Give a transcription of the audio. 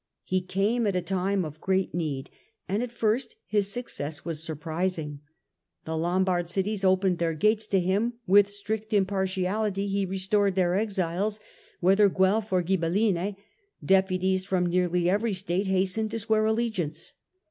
He came at a time of great need, and at first his success was surprising. The Lombard cities opened their gates to him, with strict impartiaHty he restored their exiles, whether Guelf or Ghibelline ; deputies from nearly every State hastened to swear allegiance.